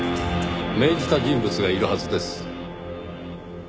命じた人物がいるはずです。